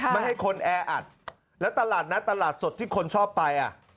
ไม่ให้คนแออัดแล้วตลาดนัดตลาดสดที่คนชอบไปอ่ะ